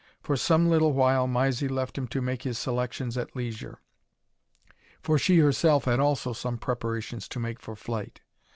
For some little while Mysie left him to make his selections at leisure, for she herself had also some preparations to make for flight.